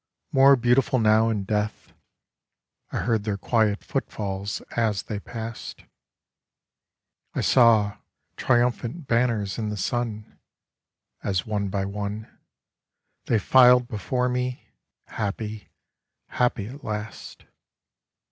More beautiful now in death ; I heard their quiet footfalls as they passed, I saw triumphant banners in the sun As one by one They filed before me, happy, happy at last.